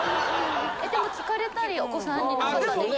でも聞かれたりお子さんになかったですか？